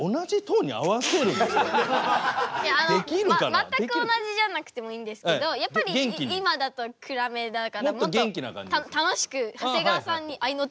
全く同じじゃなくてもいいんですけどやっぱり今だと暗めだからもっと楽しく長谷川さんにあいの手を入れるような感じでも。